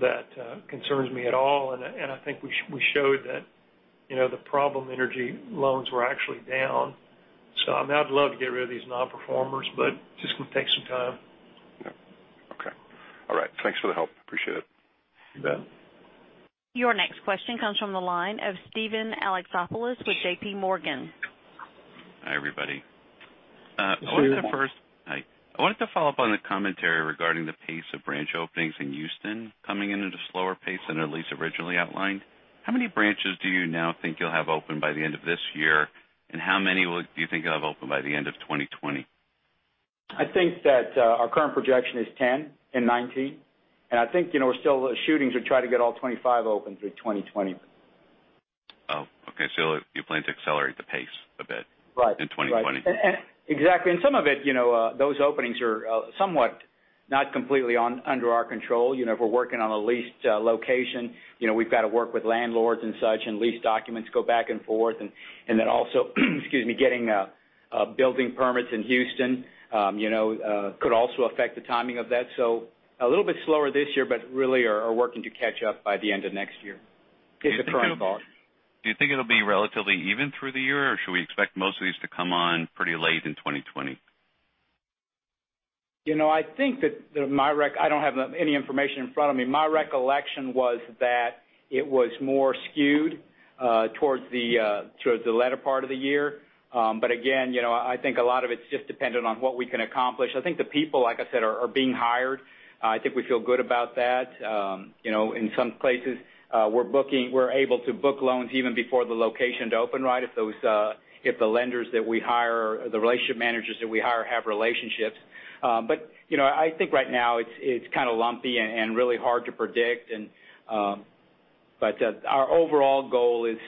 that concerns me at all. I think we showed that the problem energy loans were actually down. I mean, I'd love to get rid of these non-performers, but just going to take some time. Yeah. Okay. All right. Thanks for the help. Appreciate it. You bet. Your next question comes from the line of Steven Alexopoulos with JPMorgan. Hi, everybody. Good morning. Hi. I wanted to follow up on the commentary regarding the pace of branch openings in Houston coming in at a slower pace than at least originally outlined. How many branches do you now think you'll have open by the end of this year, and how many do you think you'll have open by the end of 2020? I think that our current projection is 10 in 2019, and I think, we're still shooting to try to get all 25 open through 2020. Oh, okay. You plan to accelerate the pace a bit. Right in 2020. Exactly. Some of it, those openings are somewhat not completely under our control. If we're working on a leased location, we've got to work with landlords and such, and lease documents go back and forth. Also, getting building permits in Houston could also affect the timing of that. A little bit slower this year, but really are working to catch up by the end of next year is the current thought. Do you think it'll be relatively even through the year, or should we expect most of these to come on pretty late in 2020? I think that, I don't have any information in front of me. My recollection was that it was more skewed towards the latter part of the year. Again, I think a lot of it's just dependent on what we can accomplish. I think the people, like I said, are being hired. I think we feel good about that. In some places, we're able to book loans even before the location to open, if the relationship managers that we hire have relationships. I think right now it's kind of lumpy and really hard to predict. Our overall goal is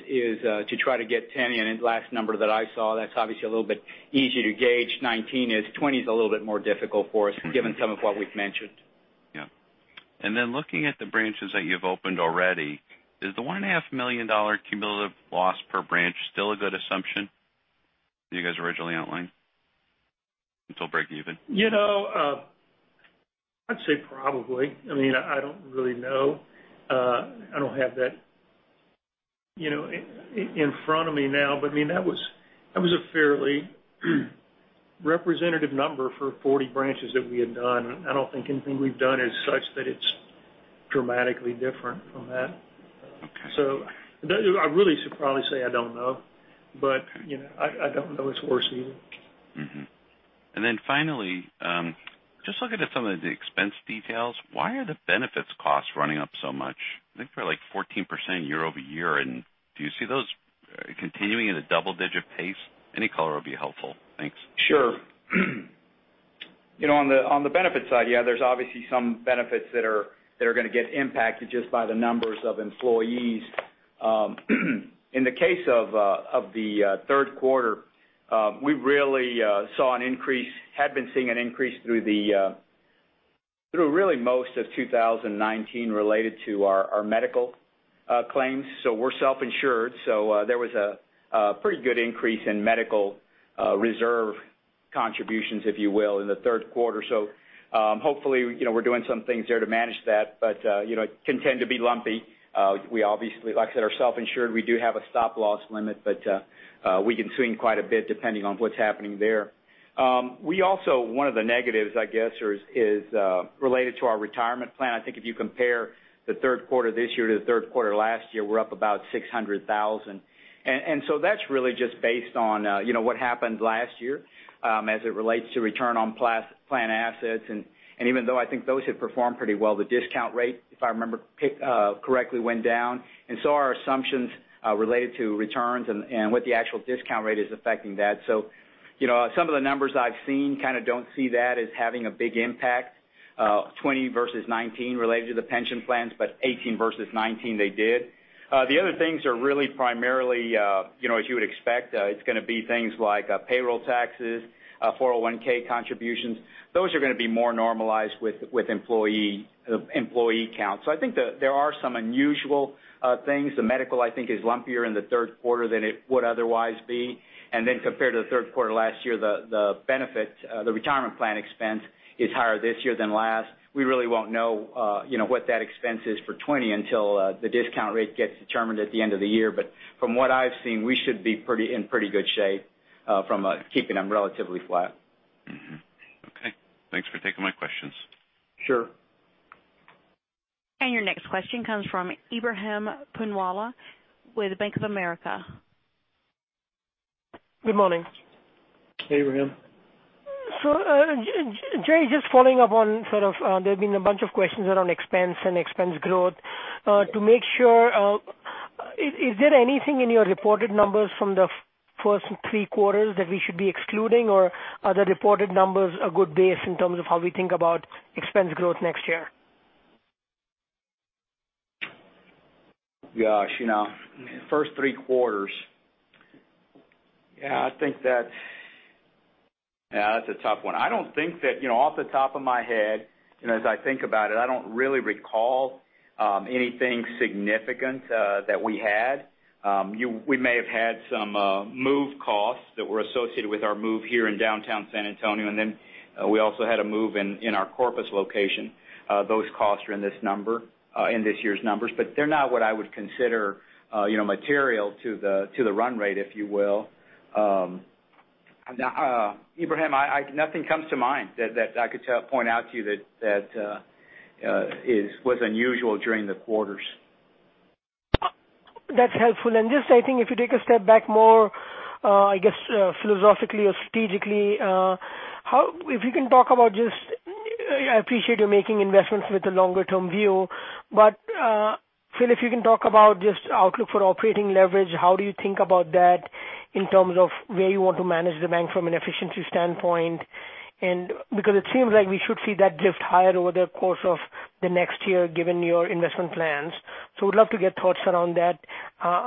to try to get 10 in. Last number that I saw, that's obviously a little bit easier to gauge. 19 is. 20 is a little bit more difficult for us given some of what we've mentioned. Looking at the branches that you've opened already, is the $1.5 million cumulative loss per branch still a good assumption you guys originally outlined until break even? I'd say probably. I mean, I don't really know. I don't have that in front of me now, but that was a fairly representative number for 40 branches that we had done. I don't think anything we've done is such that it's dramatically different from that. Okay. I really should probably say I don't know, but I don't know it's worse either. Finally, just looking at some of the expense details, why are the benefits costs running up so much? I think they're like 14% year-over-year. Do you see those continuing at a double-digit pace? Any color would be helpful. Thanks. Sure. On the benefits side, yeah, there's obviously some benefits that are going to get impacted just by the numbers of employees. In the case of the third quarter, we really saw an increase, had been seeing an increase through really most of 2019 related to our medical claims. We're self-insured. There was a pretty good increase in medical reserve contributions, if you will, in the third quarter. Hopefully, we're doing some things there to manage that. It can tend to be lumpy. We obviously, like I said, are self-insured. We do have a stop loss limit, but we can swing quite a bit depending on what's happening there. One of the negatives, I guess, is related to our retirement plan. I think if you compare the third quarter this year to the third quarter last year, we're up about $600,000. That's really just based on what happened last year as it relates to return on plan assets. Even though I think those have performed pretty well, the discount rate, if I remember correctly, went down. Our assumptions related to returns and what the actual discount rate is affecting that. Some of the numbers I've seen kind of don't see that as having a big impact 2020 versus 2019 related to the pension plans, but 2018 versus 2019, they did. The other things are really primarily as you would expect. It's going to be things like payroll taxes, 401 contributions. Those are going to be more normalized with employee count. I think there are some unusual things. The medical, I think, is lumpier in the third quarter than it would otherwise be. Compared to the third quarter last year, the retirement plan expense is higher this year than last. We really won't know what that expense is for 2020 until the discount rate gets determined at the end of the year. From what I've seen, we should be in pretty good shape from keeping them relatively flat. Mm-hmm. Okay. Thanks for taking my questions. Sure. Your next question comes from Ebrahim Poonawala with Bank of America. Good morning. Hey, Ebrahim. Jerry, just following up on sort of, there have been a bunch of questions around expense and expense growth. To make sure, is there anything in your reported numbers from the first three quarters that we should be excluding, or are the reported numbers a good base in terms of how we think about expense growth next year? Gosh. First three quarters. Yeah, I think that. Yeah, that's a tough one. Off the top of my head, and as I think about it, I don't really recall anything significant that we had. We may have had some move costs that were associated with our move here in downtown San Antonio, and then we also had a move in our Corpus location. Those costs are in this year's numbers, but they're not what I would consider material to the run rate, if you will. Ebrahim, nothing comes to mind that I could point out to you that was unusual during the quarters. That's helpful. I think if you take a step back more, I guess, philosophically or strategically, if you can talk about I appreciate you're making investments with a longer-term view, but Phil, if you can talk about just outlook for operating leverage, how do you think about that in terms of where you want to manage the bank from an efficiency standpoint? It seems like we should see that drift higher over the course of the next year, given your investment plans. Would love to get thoughts around that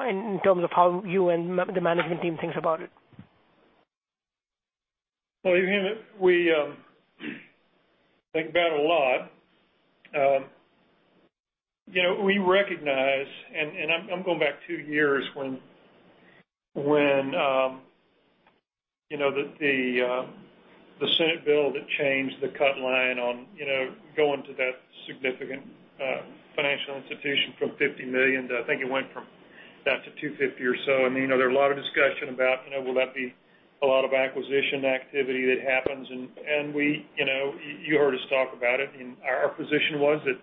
in terms of how you and the management team thinks about it. Well, Ebrahim, we think about it a lot. We recognize, I'm going back two years when the Senate bill that changed the cut line on going to that significant financial institution from $50 million to, I think it went from that to $250 or so. There were a lot of discussion about will that be a lot of acquisition activity that happens, and you heard us talk about it, and our position was that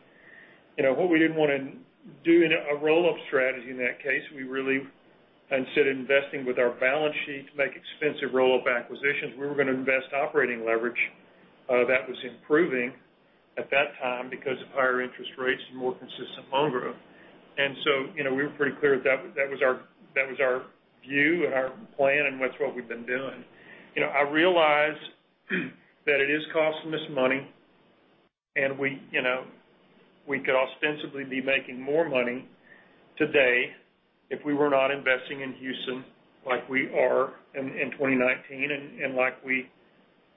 what we didn't want to do in a roll-up strategy in that case, we really, instead of investing with our balance sheet to make expensive roll-up acquisitions, we were going to invest operating leverage that was improving at that time because of higher interest rates and more consistent loan growth. We were pretty clear that was our view and our plan, and that's what we've been doing. I realize that it is costing us money, and we could ostensibly be making more money today if we were not investing in Houston like we are in 2019 and like we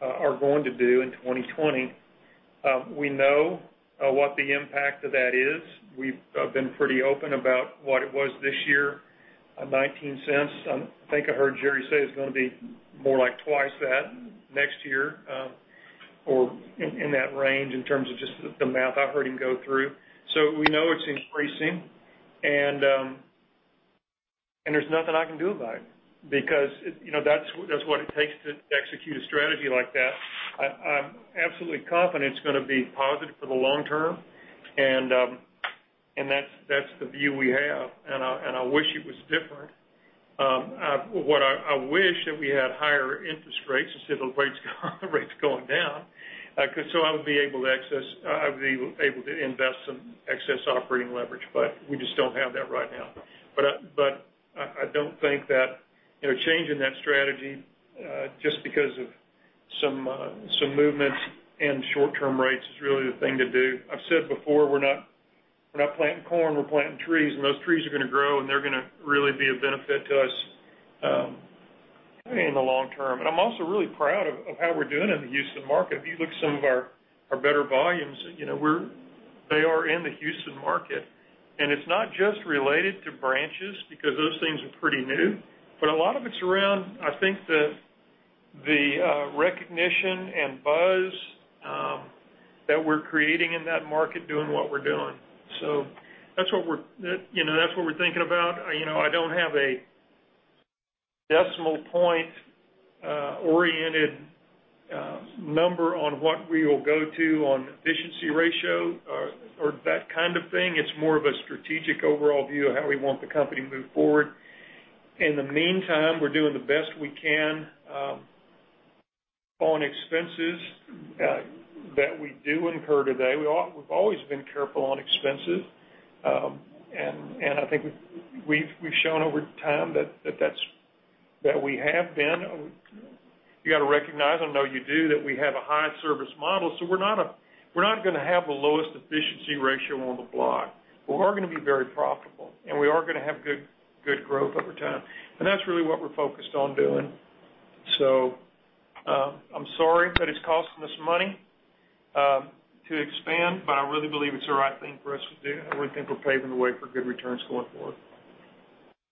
are going to do in 2020. We know what the impact of that is. We've been pretty open about what it was this year, $0.19. I think I heard Jerry say it's going to be more like twice that next year, or in that range in terms of just the math I've heard him go through. We know it's increasing, and there's nothing I can do about it because that's what it takes to execute a strategy like that. I'm absolutely confident it's going to be positive for the long term, and that's the view we have, and I wish it was different. I wish that we had higher interest rates instead of rates going down, because so I would be able to invest some excess operating leverage, but we just don't have that right now. I don't think that changing that strategy just because of some movements in short-term rates is really the thing to do. I've said before, we're not planting corn, we're planting trees. Those trees are going to grow, and they're going to really be of benefit to us in the long term. I'm also really proud of how we're doing in the Houston market. If you look at some of our better volumes, they are in the Houston market. It's not just related to branches because those things are pretty new, a lot of it's around, I think, the recognition and buzz that we're creating in that market, doing what we're doing. That's what we're thinking about. I don't have a decimal point-oriented number on what we will go to on efficiency ratio or that kind of thing. It's more of a strategic overall view of how we want the company to move forward. In the meantime, we're doing the best we can on expenses that we do incur today. We've always been careful on expenses, and I think we've shown over time that we have been. You got to recognize, I know you do, that we have a high service model, so we're not going to have the lowest efficiency ratio on the block, but we are going to be very profitable, and we are going to have good growth over time. That's really what we're focused on doing. I'm sorry that it's costing us money to expand, but I really believe it's the right thing for us to do, and we think we're paving the way for good returns going forward.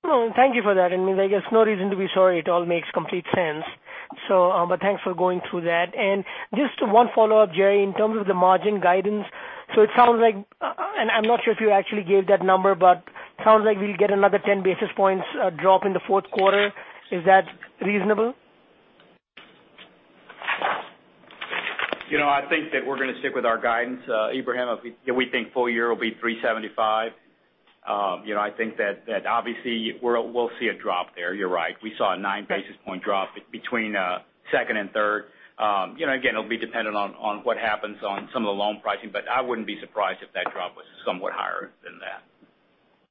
No, thank you for that. There's no reason to be sorry. It all makes complete sense. Thanks for going through that. Just one follow-up, Jerry. In terms of the margin guidance, and I'm not sure if you actually gave that number, but sounds like we'll get another ten basis points drop in the fourth quarter. Is that reasonable? I think that we're going to stick with our guidance, Ebrahim. We think full year will be $3.75. I think that obviously we'll see a drop there. You're right. We saw a nine basis point drop between second and third. It'll be dependent on what happens on some of the loan pricing, but I wouldn't be surprised if that drop was somewhat higher than that.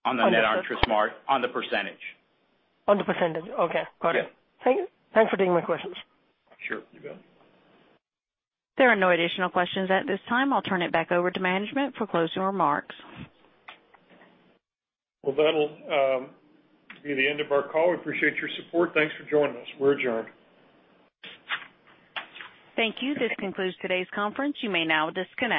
On the net interest margin? On the %. On the percentage. Okay, got it. Yeah. Thanks for taking my questions. Sure. You bet. There are no additional questions at this time. I'll turn it back over to management for closing remarks. Well, that'll be the end of our call. We appreciate your support. Thanks for joining us. We're adjourned. Thank you. This concludes today's conference. You may now disconnect.